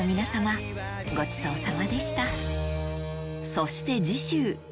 そして次週！